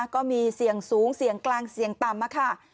ก็มีเสี่ยงสูงเสี่ยงกลางเสี่ยงต่ำค่ะ